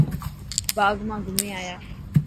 باغ مان گھمي آيا؟